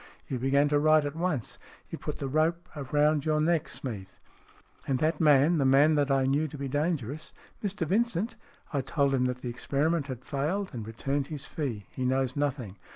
You began to write at once. You've put the rope round your neck, Smeath." "And that man the man that I knew to be dangerous ?"" Mr Vincent ? I told him that the experiment had failed, and returned his fee. He knows nothing.